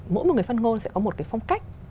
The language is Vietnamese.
mỗi một người phát ngôn sẽ có một cái phong cách